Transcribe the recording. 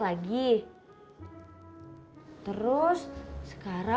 lagi lu terus pergi aja